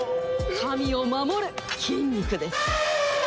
民を守る筋肉です。